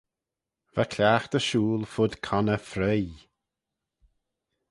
Va cliaghtey shooyl fud conney freoaie.